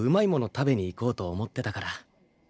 食べに行こうと思ってたから。